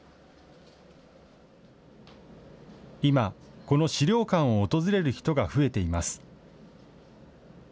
今、この資料館を訪れる人が増えています。